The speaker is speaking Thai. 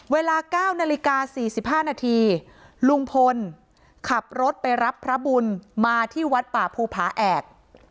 เวลา๙นาฬิกา๔๕นาทีลุงพลขับรถไปรับพระบุญมาที่วัดป่าภูผาแอก